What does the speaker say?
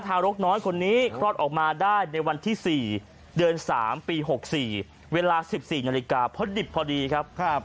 รกน้อยคนนี้คลอดออกมาได้ในวันที่๔เดือน๓ปี๖๔เวลา๑๔นาฬิกาเพราะดิบพอดีครับ